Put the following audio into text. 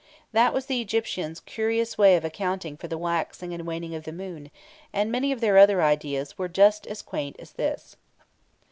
That was the Egyptians' curious way of accounting for the waxing and waning of the moon, and many of their other ideas were just as quaint as this.